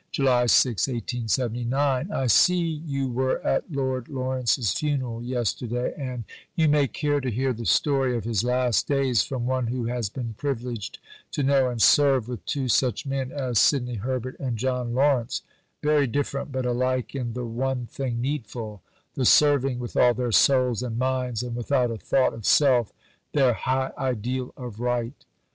_) July 6 . I see you were at Lord Lawrence's funeral yesterday, and you may care to hear the story of his last days from one who has been privileged to know and serve with two such men as Sidney Herbert and John Lawrence very different, but alike in the "one thing needful" the serving with all their souls and minds and without a thought of self their high ideal of right.